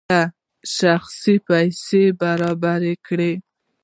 د شنختې پیسې برابري کړي.